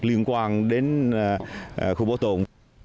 liên quan đến khu bảo tồn